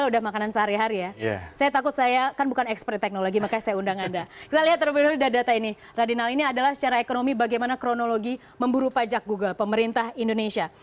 kita undang radinal ini adalah secara ekonomi bagaimana kronologi memburu pajak google pemerintah indonesia